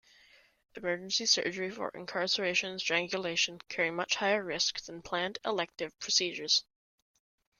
Emergency surgery for incarceration and strangulation carry much higher risk than planned, "elective" procedures.